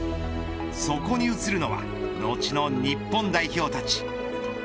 そこに写るのは後の日本代表たち。